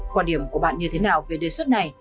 quan điểm của bạn như thế nào về đề xuất này